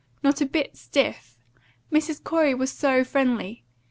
Not a bit stiff! Mrs. Corey was so friendly!